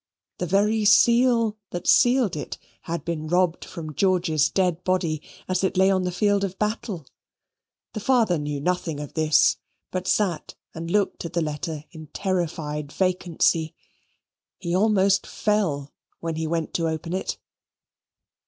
The very seal that sealed it had been robbed from George's dead body as it lay on the field of battle. The father knew nothing of this, but sat and looked at the letter in terrified vacancy. He almost fell when he went to open it.